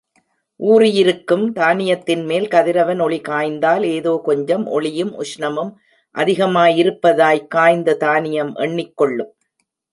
ஊறியிருக்கும் தானியத்தின் மேல் கதிரவன் ஒளி காய்ந்தால், ஏதோ கொஞ்சம் ஒளியும் உஷ்ணமும் அதிகமாயிருப்பதாகக் காய்ந்த தானியம் எண்ணிக்கொள்ளும்.